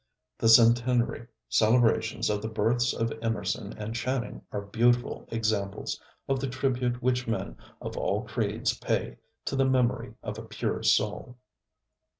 The centenary celebrations of the births of Emerson and Channing are beautiful examples of the tribute which men of all creeds pay to the memory of a pure soul.